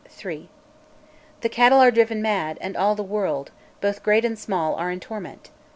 "III. The cattle are driven mad, and all the world both great and small, are in torment!